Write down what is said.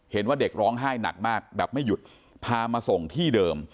เห็นว่าเด็กร้องไห้หนักมากแบบไม่หยุดพามาส่งที่เดิม